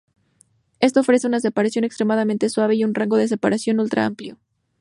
Esto ofrece una separación extremadamente suave y un rango de separación "ultra-amplio".